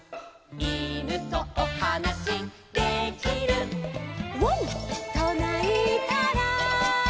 「いぬとおはなしできる」「ワンとないたら」